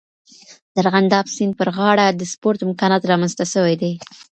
د ارغنداب سیند پر غاړه د سپورټ امکانات رامنځته سوي دي.